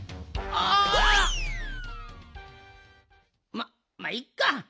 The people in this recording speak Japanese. まっまあいっか。